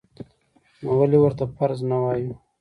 نو ولې ورته فرض نه وایو؟